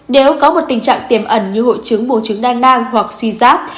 nếu có một tình trạng tiềm ẩn như hội trứng muộn trứng đa nang hoặc suy giáp